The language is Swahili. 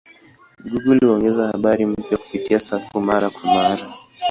Google huongeza habari mpya kupitia safu mara kwa mara.